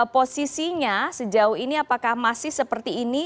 posisinya sejauh ini apakah masih seperti ini